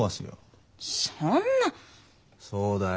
そうだよ。